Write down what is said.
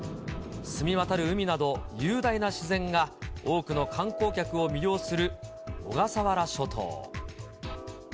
澄み渡る海など、雄大な自然が多くの観光客を魅了する小笠原諸島。